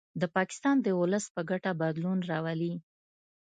د پاکستان د ولس په ګټه بدلون راولي